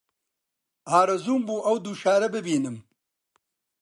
ئارەزووم بوو ئەو دوو شارە ببینم